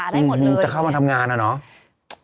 ได้หมดเลยตอนนี้